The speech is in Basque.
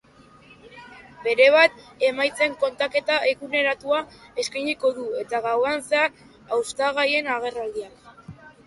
Berebat, emaitzen kontaketa eguneratua eskainiko du eta gauean zehar hautagaien agerraldiak.